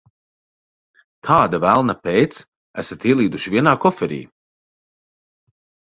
Kāda velna pēc esat ielīduši vienā koferī?